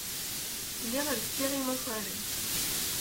Lliɣ rekkiɣ imakaren.